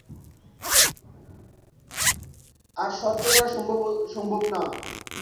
আর সহ্য করা সম্ভব না।